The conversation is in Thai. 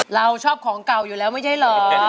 เราชอบของเก่าอยู่แล้วไม่ใช่เหรอ